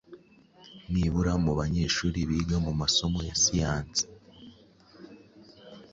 Nibura mu banyeshuri biga mu masomo ya Siyansi